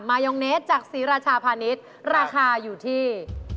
มายองเนทจากซีราชาพานิตราคาอยู่ที่